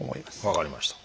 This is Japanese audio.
分かりました。